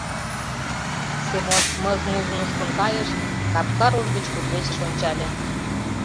Семон мыз-муз нушкын кайыш, капка рож гыч кудывечыш ончале.